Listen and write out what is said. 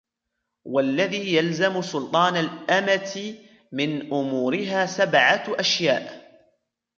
وَاَلَّذِي يَلْزَمُ سُلْطَانَ الْأَمَةِ مِنْ أُمُورِهَا سَبْعَةُ أَشْيَاءَ